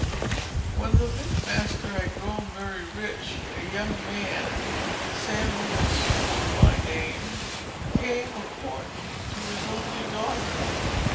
When the mint master had grown very rich, a young man, Samuel Sewell by name, came a courting to his only daughter.